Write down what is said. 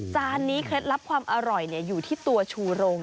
จานนี้เคล็ดลับความอร่อยอยู่ที่ตัวชูรง